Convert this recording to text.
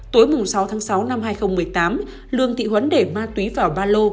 tối sáu tháng sáu năm hai nghìn một mươi tám lương thị huấn để ma túy vào ba lô